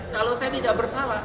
kalau saya tidak bersalah